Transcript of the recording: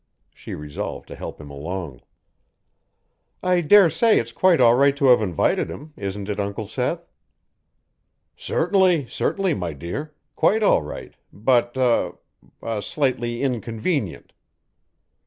She resolved to help him along. "I dare say it's quite all right to have invited him; isn't it, Uncle Seth?" "Certainly, certainly, my dear. Quite all right, but er ah, slightly inconvenient."